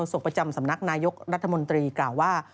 ศกประจำสำนักนายกรัฐมนตรีกล่าวว่า